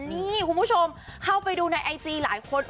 นี่คุณผู้ชมเข้าไปดูในไอจีหลายคน